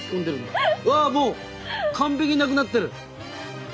わあもう完璧なくなってる！